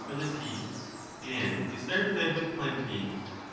305 teat, and is there fed with plenty.